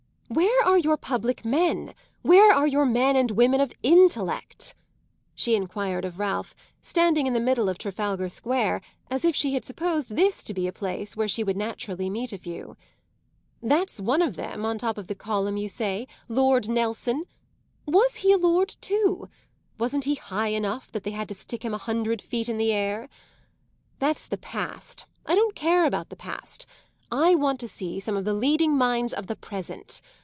"Where are your public men, where are your men and women of intellect?" she enquired of Ralph, standing in the middle of Trafalgar Square as if she had supposed this to be a place where she would naturally meet a few. "That's one of them on the top of the column, you say Lord Nelson. Was he a lord too? Wasn't he high enough, that they had to stick him a hundred feet in the air? That's the past I don't care about the past; I want to see some of the leading minds of the present.